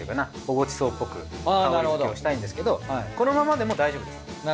ご馳走っぽく香りづけをしたいんですけどこのままでも大丈夫です。